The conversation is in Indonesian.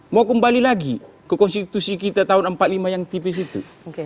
mau kembali lagi ke konstitusi kita tahun empat puluh lima yang tipis itu